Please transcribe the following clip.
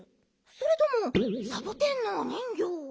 それともサボテンのおにんぎょう。